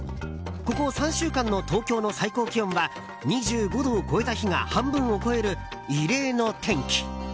ここ３週間の東京の最高気温は２５度を超えた日が半分を超える異例の天気。